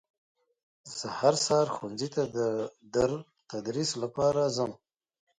زه هر سهار ښوونځي ته در تدریس لپاره ځم